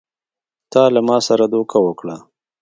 تا له ما سره دوکه وکړه!